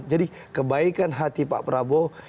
jadi kebaikan hati pak prabowo